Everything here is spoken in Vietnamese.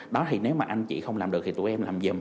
đó thì nếu mà anh chị không làm được thì tụi em làm dìm